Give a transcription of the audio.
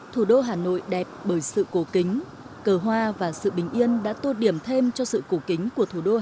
thủ đô hà nội đẹp bởi sự cổ kính cờ hoa và sự bình yên đã tô điểm thêm cho sự cổ kính của thủ đô